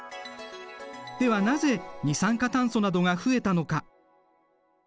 ではなぜ二酸化炭素などが増えたのか？